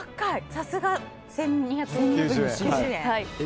さすが、１２９０円。